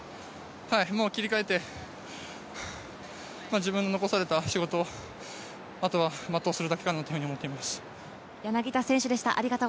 もう切り替えて、自分の残された仕事をあとは全うするだけかなと思ってます。